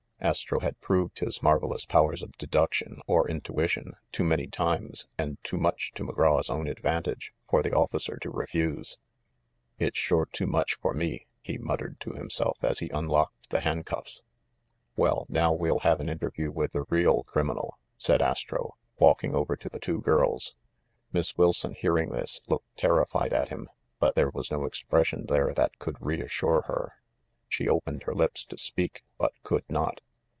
Astro had proved his marvelous powers of deduc tion or intuition too many times, and too much to Mc Graw's own advantage, for the officer to refuse. "It's sure too much for me!" he muttered to him self as he unlocked the handcuffs. "Well, now we'll have an interview with the real criminal," said Astro, walking over to the two girls. Miss Wilson, hearing this, looked terrified at him; but there was no expression there that could reassure her. She opened her lips to speak, but could not.